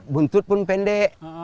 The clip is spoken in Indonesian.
buntut juga pendek